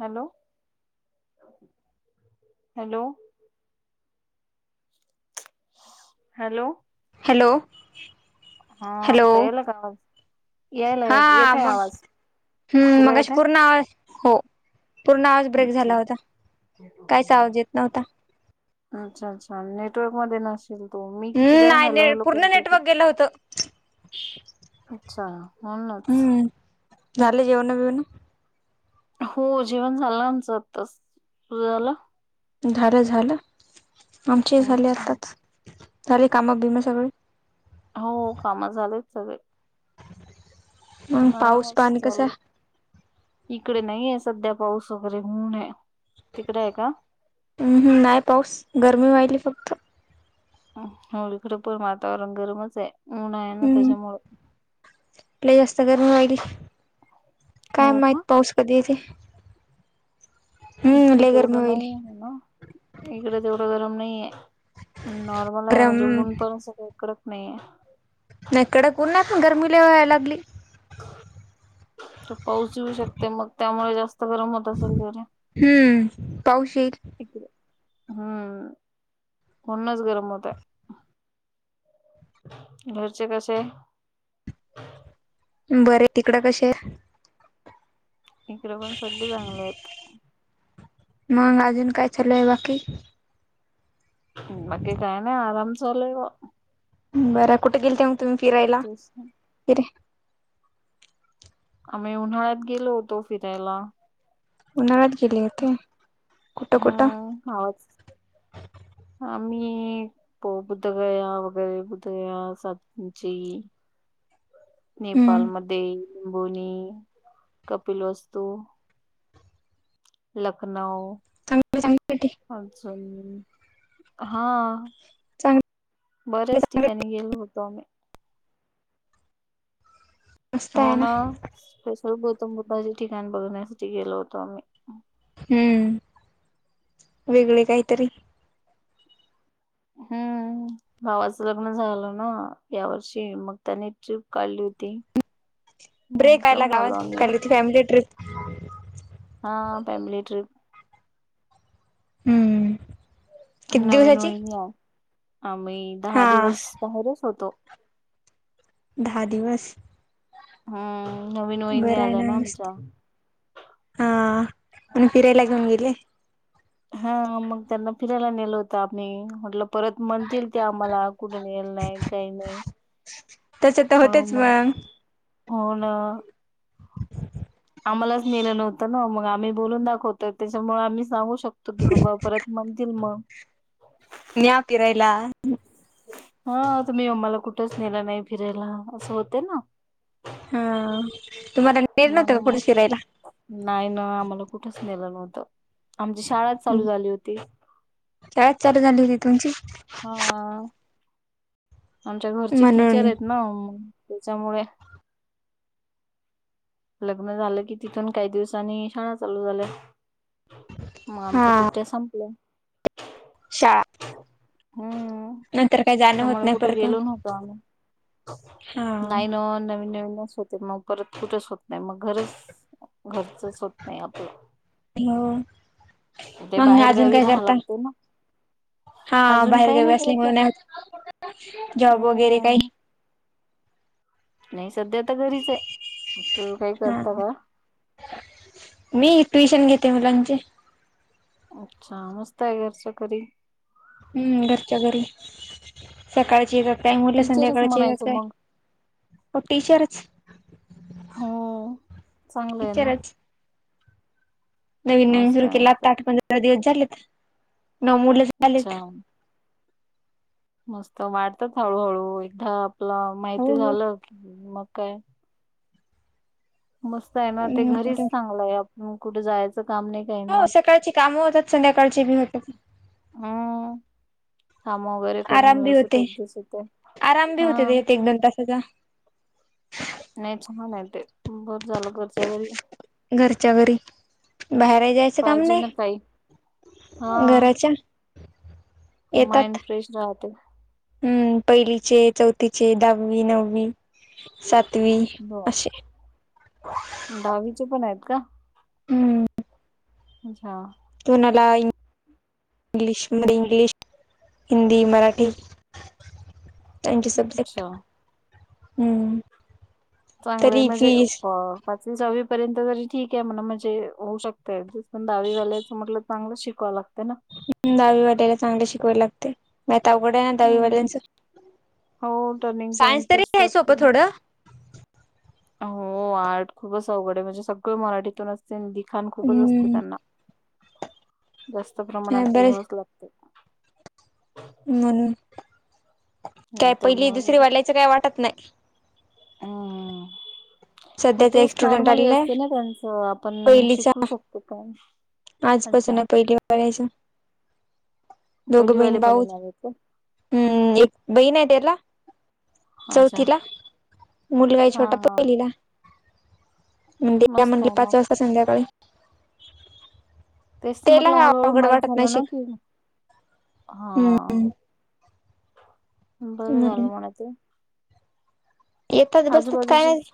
Hello hello. Hello. Hello. Hello हाता यायल का आवाज यायला हा येतय मग आवाज हम्म तुला मग अशी येतय पूर्ण हो पूर्ण आवाज ब्रेक अच्छा झाला होता काहीच आवाज येत नव्हता. अच्छा अच्छा नेटवर्क मध्ये न. मी किती हम्म वेळ नाही हॅलो ने हॅलो पूर्ण करत होती नेटवर्क गेलं होतं अच्छा. म्हणूनच हम्म झाले जेऊन बीऊन हो जेवण झालं नच आताच तुझला? झालं झालं आमचे झाले अच्छा आताच झाले कामा बिमा सगळे. हो काम झाले सगळे. मग पाऊस मज पाणी कसं चालेू. आहे इकडे नाहीे सध्या पाऊस वगैरे होऊन आहे तिकडे आहे का? हम्नाही पाऊस गरमी वाहिली फक्त हो इकडे पण वातावरण गरमच आहे म्हून आहे ना हम्म त्याच्यामु जास्त गर्मी राहिली काय हो माहित का पाऊस कधी ते इकडे तेवढं नाही आहे म्हण. इकड तेवढं गरम नाहीये नॉर्मल आहे गरम म्हणजे उऊन पण सगळ इकडच नाहीये. नाही कड कोण नाही पण गरमीला वयला लागली. पाऊस येऊ शकते मग त्यामुळे जास्त गरम होत असेल तकडे हम्म पाऊस येईल हम्म पुननच गरम होतय. घरचे कसे आहे. बर तिकडं कसे आहे. इकडे पण सगळे चांगले आहेत. मग अजून काय चालय बाकी हमकी काय नाही आरामचले बरं कुठे गेलते मग तुम्ही फिरायला तेच ना. फिरे आम्ही उन्हाळ्यात गेलो होतो फिरायला उन्हाळ्यात गेली इथे कुठं कुठं? हवच ह मी प बुद्धगया वगैरे बुद्धगया सची नेपाल हम्म मंबोनी कपिल वस्तू लखनऊ चांगले चांगले अल हा. चांगले बऱ्याच चांगले ठिकाणी गेलो होतो आम्ही मस्त हो आहे ना स्पेशल गौतम बुद्ध ठिकाण बघण्यासाठी गेलो होतो आम्ही हम्म वेगळे काहीतरी हम्म भावाचं लग्न झालं ना यावर्षी मग त्याने ट्रिप काढली होती. मग ब्रेक जाऊन कयलाावा आलो आम्ही किती फॅमिली ट्र्रीप हा फॅमिली ट्रिप हम्म किती नवीन दिवसाची होवीन या आम्ही हा दहा दिवस बाहेरच होतो. दहा दिवस. हा बरं आहे ना मस्त हा म्हण फिरायला घेऊन गेले. हा मग त्यांना फिरायला नेलं होतं आ म्हटलं. परत म्हणतील ते आम्हाला कुठून येल नाही काही नाही. तस तर होतेच मग होन आम्हालाच नेलं नव्हतं ना मग आम्ही बोलून दाखवतो त्याच्यामुळे आम्ही सांगू शको. शकतो की बाबा परत म्हणतील मग न्याव किरायला. हा तुम्ही आम्हाला कुठंच नेलं नाही फिरायला असं होत ना हा तुम्हाला नेर नवते का म्हणून पुढ मग शिरायला. नाही ना आम्हाला कुठच नेलं नव्हतं आमची शाळा चालू झाली होती. कायच चालू झाली होती तुमची. हा आमच्या घरचे म्हणून टीचर आहेत ना त्याच्यामुळे लग्न झालं की तिथून काही दिवसांनी शाळा चालू झाल्या. मग हा आमच्या सुट्ट्या संपल्या शाळा. हम्म नंतर काही जाणं होत नाही. ठ परत मग गेलो नत नाही. हा नवीन नवीनच होते मग परत कुठंच होत नाही मग घरच. घरचच होत नाही आपण हो तथे मग अजून बाहेरगावी काय राहा करता लागते ना हा अजून बाहेर काही गावी नाही करयत. असल्यामुळे नाही होत जॉब वगैरे काही नाही सध्या तर घरीच आहे तुम्ही काही हा करता का? मी ट्युशन घेते मुलांचे. अच्छा मस्त आहे घरच्याकरी हम्म घरच्या घरी सकाळची जातय उठल्या टीचरच संध्याकाळची म्हणायचं जातय. मग हो टीचर्च. हो चांगलं आहे ना टीचरच नवीन नवीन मस्त सुरू आहे केलं मस्त आता आहे आठ पंधरा दिवस झाले तर न मु अच्छा मस्त वाटतात हळूहळू एकदा आपलं हो माहिती हो झालं की मग काय मस्त आहे ना ते घरीच चांगलंय आपण कुठे जायचं काम नाही काही नाही. सध्याकाळची कामं होतात संध्याकाळची बी होतात. हम् काम वगैरे करून आराम बी मिळस होते दिस ते आराम बी हा [unintelligible] नाही छान आहे ते भर झालं कर घरच्या घरी बाहेर जायचं काम पाहिजे नाही. ना काही हा घराच्या येतात माइंड फ्रेश राहते. हम्म पहिलीचे, चौथीचे, दहावी, नववी, सातवी ब- अशे दहावीचे पण आहेत का? अच्छा तुनला इंग्लिश मध्ये इंग्लिश, हिंदी, मराठी, त्याचे सबजेक्ट अच्छा चांगले म्हणजे अ प पाचवी, सहावी पर्यंत जरी ठीक आहे, म्हणा म्हणजे होऊ शकत जस पण दहावी वाल्याचं म्हटलं, चांगलं शिकवाव लागतय ना. दहावी वाटायला चांगले शिकवायला लागते. नाहीतर अवघड आहे ना हम्म. दहावीवाल्यांच हो टर्निंग सायन्स पॉइंट तरी तेच तर घ्याय सोपं असते ना थोडं हो आर्ट खूपच अवघड आहे म्हणजे सगळं मराठीतूनच दिखाण खूपच असते हम्म त्यांना जास्त प्रमाणात बर लिहावंच लागते म्हणून, नाही काय पहिली, त्यामुळे दुसरी वालायचं काय वाटत नाही, ह हो सध्याचा एक तेच स्टुडंट नॉर्मली आलेला असते आहे ना त्यांचं आपण पहिलीचा शिकू शकतो काय? आजपासून पहिली कारायच दोघ पहिलीवाले पण बहीण-भाऊ येणार आहेत हम्म बैन हाय त्याला? का अच्छा चौथीला, मुलगा आहे हा छोटा हा पहिलीला म्हणे मस्त म्हणजे आहे पाच मग वाजता संध्याकाळी. तेच तर त्याला म्हटलं हळूहळू अवघड माहित वाटत नाही झालं ना, शिक कि हम्म हा बरं झालं म्हणून म्हणा ते. येतात बसतात काय आजूबाजूचेच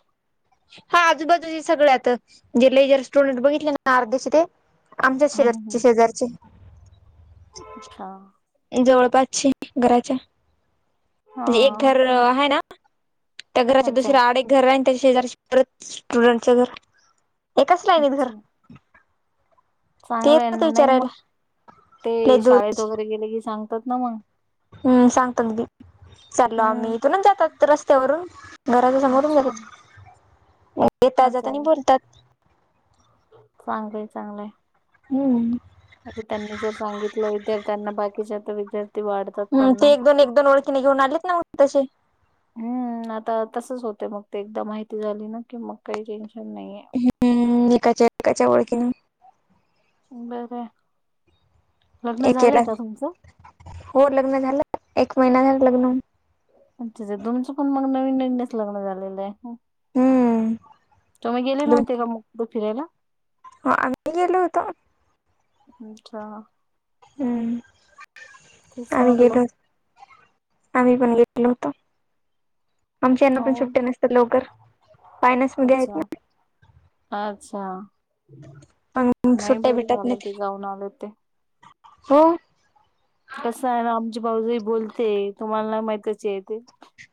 हा आजूबाजू हे सगळ येतात जे लेजर स्टुडंट बघितले ना आर्धेश ते आमच्या हम्म, शेज हम्म. शेजारचे अच्छा जवळपचश घराच्या हा म्हणजे एक घर आहे ना, त्या घराच्या अच्छा दुसर्या आड घर रा त्याच्या शेजारी परत स्टुडंटच घर एकच लिनीत घर ते चांगलंय येतात ना नाही मग विचारायला ते लय दूर शाळेत वगैरे गेले की सांगतात ना मग. हम्म सांगतो बी चालो हम्म आम्ही ते- इथूनच जातात रस्त्यावरून घराच समोरून जातात येता अछा जातानी बोलतात चांगलंय चांगलंय. हम्म म्हणजे त्यांनी जर सांगितलं तर त्याना बाकीच्या तर विद्यार्थी वाढतात हम्म, पण, ना. ते एक दोन एक दोन ओळखी झालेत ना तसे हम्म, आता तसच होत मग ते एकदा माहिती झाली ना की मग काही टेन्शन नाहीये. हम्म एकाच्या एकाच्या ओळखीने बरं लग्न एकेला झालंय का तुमचं? हो लग्न झालं एक महिना झाला लग्न होऊन. अच्छाचा तुमचं पण मग नवीन नवीनच लग्न झालेलं आहे. हम्म तुम्ही गेले दोन नव्हते का मो फिरायला? हो आम्ही गेलो होतो. अच्छा हम्म तेच आम्ही म्हटलं गेलोत आम्ही पण गेलो होतो आमच्या यांना हो पण सुट्ट्या नसतात लवकर फयना्स मध्ये आहेत ना अच्छा अच्छा ना मग नाही बर झालं ते जाऊन आले ते हम कसं आहे ना आमचे बाऊजाई बोलते तुम्हाला माहितच आहे ते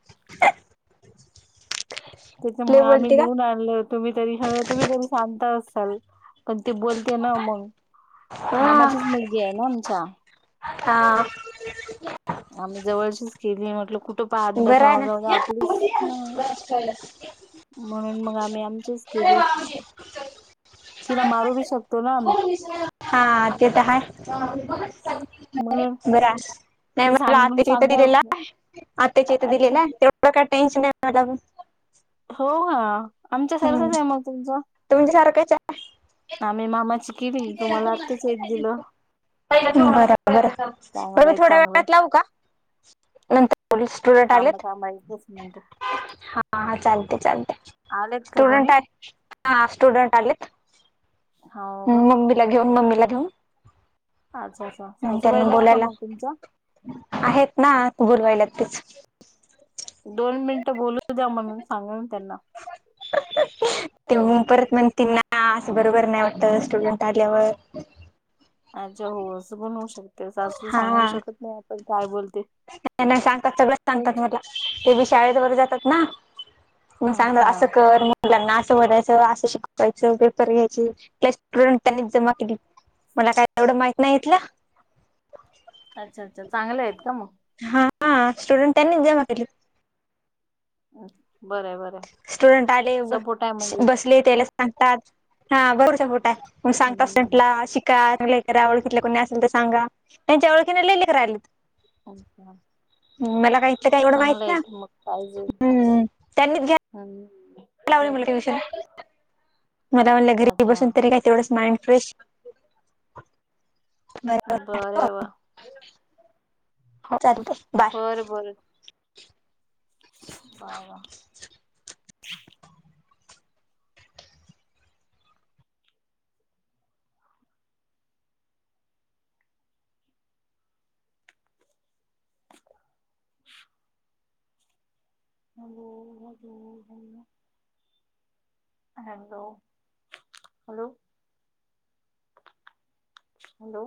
ह त्याच्यामुळे आम्ही बोलते का नेऊन आ तुम्ही तरी तुम्ही तरी सांगता असाल पण ते बोलते ना मग हा मामाचीच मुलगी आहे ना आमच्या हा आम्ही जवळचीच केली म्हटलं खूप तोपाात बरं आहे ना बसवग आपलीच ह म्हणून मग आम्ही आमचीच केली तिला मारू भी शकतो ना आमही हा ते तर हा म्हणून बर नाही ते मला सांग आताची इथं सांगणार दिलेला आत्त्याचेथं अच्छा दिलेलं तेवढं काय टेन्शन आहे मला हो का आमच्या हम्म सारखंच आहे मग तुमचं तुमच्या सारखंच आहे आम्ही मामाची केली तुम्हाला आत्ताच येत दिलं बबर बर म चांगलंय थोड्या चांगलंय वेळात लावू का नंतर पलीस स्टुडंट थांबा आलेत थांबा एकच मिनिट हा हा चालते चालते आलेत का कोणी स्टुडंट हा स्टुडंट आलेत हो का ् मम्मीला घेऊन मम्मीला घेऊन अच्छा अच्छा सासुबाई त्यांना नाहीत का बोलायला मग तुमचा आहेत ना बोलवायला तेच दोन मिनिटं बोलू द्या म्हणून सांगाल त्यांना ते हम्म. परत म्हण तिना असं बरोबर नाही वाटत स्टुडंट आल्यावर अच्छा हो असं बनवू शकते सासु हा सांगू शकत नाही आपण काय बोलते नाही सांगतात सगळंच सांगतात अच्छा मला ते बी शाळेजवळ जातात ना मग सांगणार असं अच्छा कर मग मुलांना असं म्हणायचं असं शिकवायचं पेपर घ्याय कस स्टुडंट त्यांनीच जमा केली मला काय एवढं माहित नाहीतलं अच्छा अच्छा चांगले आहेत का मग हा स्टुडंट त्यांनीच जमा केली बर बरं स्टुडंट आले सपोर्ट आहे म्हणजे बसले त्याला सांगतात हा बरचा फोटा आहे मग सांग हम्म असटला का नाहीकररा ओळखीतल्या कोणी असेल तर सांगा त्यांच्या ओळखी ने लय लेकर आलीत हो का मला काही काही एवढं माहित ना हम् त्यांनीच घ्या हम कवर मला का विषय मला म्हणलं घरी अच्छा बसून तरी काही तेवढंच माइंड फ्रेश बरं बर वा ह चालते बरं बरं पायवा नग होत हॅलो! हॅलो! हॅलो!